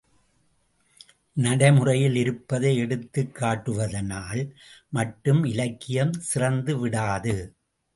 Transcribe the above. நடைமுறையில் இருப்பதை எடுத்துக் காட்டுவதினால் மட்டும் இலக்கியம் சிறந்துவிடாது.